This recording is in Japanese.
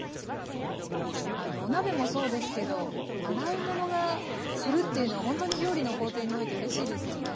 あのお鍋もそうですけど洗い物が減るっていうのはほんとに料理の工程においてうれしいですよね。